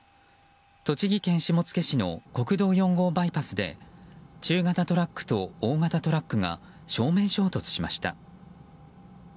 栃木県下野市の国道４号バイパスで中型トラックと大型トラックが正面衝突しました。